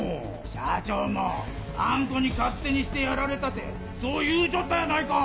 社長もあん子に勝手にしてやられたてそう言うちょったやないか！